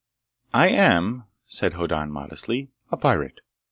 "I am," said Hoddan modestly, "a pirate.